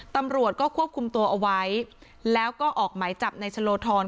ตำรวจก็ควบคุมตัวเอาไว้แล้วก็ออกหมายจับในชะโลทร